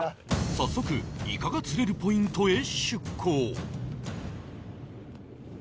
早速イカが釣れるポイントへ出港